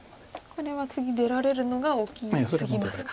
これは次出られるのが大きすぎますか。